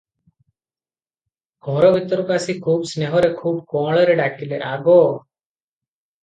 ଘର ଭିତରକୁ ଆସି ଖୁବ୍ ସ୍ନେହରେ ଖୁବ୍ କଅଁଳରେ ଡାକିଲେ, “ଆଗୋ!